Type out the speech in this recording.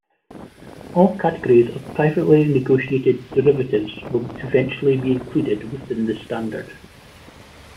All categories of privately negotiated derivatives will eventually be included within the standard.